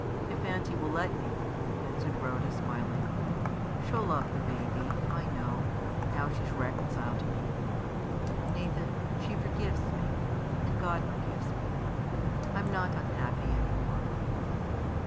if aunty will let me," answered Rhoda, smiling; "she 'll love the baby, I know, now she's reconciled to me. Nathan, she forgives me, and God forgives me. I'm not unhappy any more."